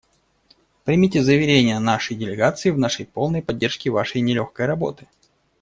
Примите заверения нашей делегации в нашей полной поддержке Вашей нелегкой работы.